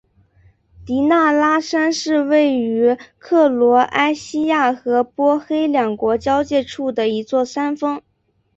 迪纳拉山是位于克罗埃西亚和波黑两国交界处的一座山峰。